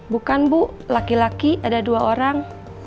bukan bu laki laki ada dua orang